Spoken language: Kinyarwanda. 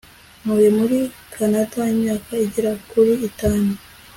Ntuye muri Kanada imyaka igera kuri itanu